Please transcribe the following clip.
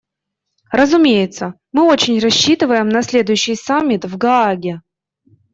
Разумеется, мы очень рассчитываем на следующий саммит − в Гааге.